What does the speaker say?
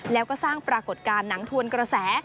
แล้วก็สร้างปรากฏการณ์หนังทวนกระแส